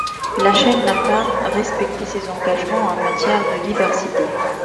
La chaîne n'a pas respecté ses engagements en matière de diversité.